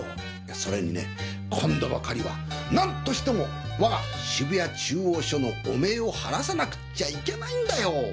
それにね今度ばかりは何としてもわが渋谷中央署の汚名を晴らさなくっちゃいけないんだよ